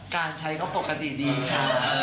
การใช้ก็ปกติดีค่ะ